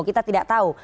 kita tidak tahu